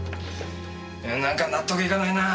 なんか納得いかないなぁ。